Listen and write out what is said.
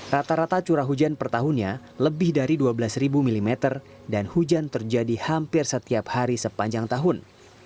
rata rata curah hujan per tahunnya lebih dari dua belas mm dan hujan terjadi hampir setiap hari sepanjang tahun